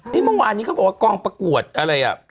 นี่เมื่อวานนี้เขาบอกว่ากองประกวดอะไรอ่ะ